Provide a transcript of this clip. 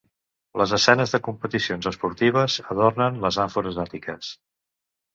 Les escenes de competicions esportives adornen les àmfores àtiques.